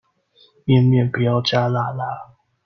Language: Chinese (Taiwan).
麵麵不要加辣辣